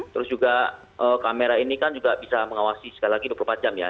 terus juga kamera ini kan juga bisa mengawasi sekali lagi dua puluh empat jam ya